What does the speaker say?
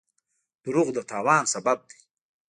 دروغ د تاوان سبب دی.